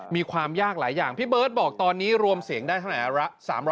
มีความยากหลายอย่างพี่เบิร์ตบอกตอนนี้รวมเสียงได้เท่าไหร่